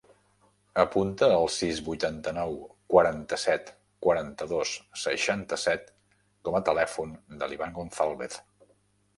Apunta el sis, vuitanta-nou, quaranta-set, quaranta-dos, seixanta-set com a telèfon de l'Ivan Gonzalvez.